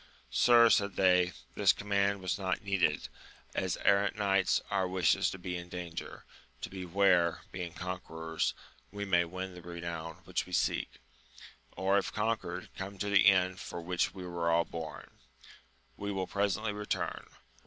Sir, said they, this command was not needed : as errant knights, our wish is to be in danger, to be where, being conquerors, we may win the renown which we seek ; or, if con quered, come to the end for which we were all bom : we will presently return.